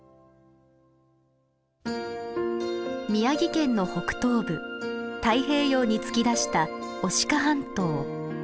宮城県の北東部太平洋に突き出した牡鹿半島。